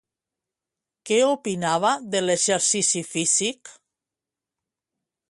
Què opinava de l'exercici físic?